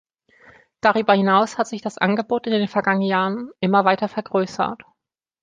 Darüber hinaus hat sich das Angebot in den vergangenen Jahren immer weiter vergrößert.